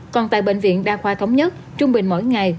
còn tại bệnh viện đa khoa thống nhất trung bình mỗi ngày